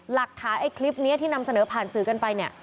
หลักท้าคลิปนี้ที่นำเสนอผ่านซื้อกันไป